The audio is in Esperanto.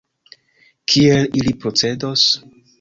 Kiel ili procedos?